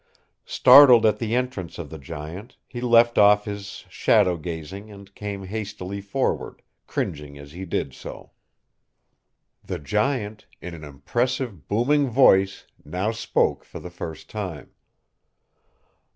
Startled at the entrance of the giant, he left off his shadow gazing and came hastily forward, cringing as he did so. The giant, in an impressive, booming voice, now spoke for the first time.